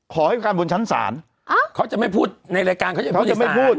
ขอให้การบนชั้นศาลเขาจะไม่พูดในรายการเขาจะพูดยังไม่พูด